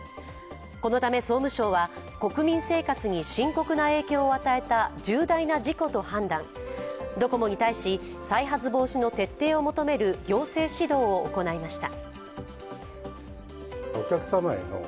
このため総務省は国民生活に深刻な影響を与えた重大な事故と判断、ドコモに対し、再発防止の徹底を求める行政指導を行いました。